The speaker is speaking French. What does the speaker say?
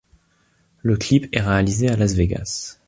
Le clip est réalisé à Las Vegas.